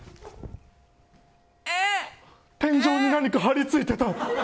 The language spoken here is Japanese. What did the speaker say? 天井に何か張り付いてた。